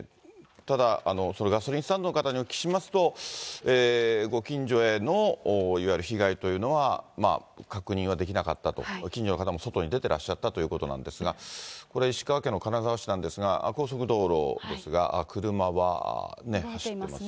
ただ、ガソリンスタンドの方にお聞きしますと、ご近所へのいわゆる被害というのは確認はできなかったと、近所の方も外に出てらっしゃったということなんですが、これ、石川県の金沢市なんですが、高速道路ですが、車は走っていますね。